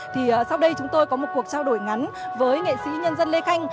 thì sau đây chúng tôi có một cuộc trao đổi ngắn với nghệ sĩ nhân dân lê khanh